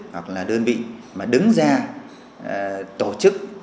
hoặc là đơn vị mà đứng ra tổ chức